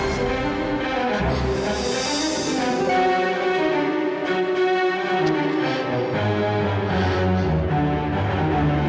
tidak ini tidak benar